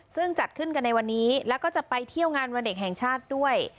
ซึ่งจัดขึ้นกันในวันนี้แล้วก็จะไปเที่ยวงานวันเด็กแห่งชาติด้วย